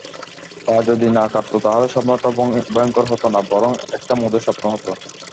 পা যদি না-কাটত তাহলে স্বপ্নটা ভয়ংকর হত না, বরং একটা মধুর স্বপ্ন হত।